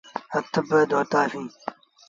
هٿ منهن دوتآ سيٚݩ۔